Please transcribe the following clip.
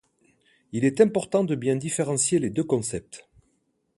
Il est important de bien différencier les deux concepts.